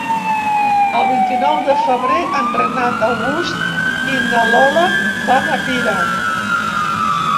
El vint-i-nou de febrer en Renat August i na Lola van a Pira.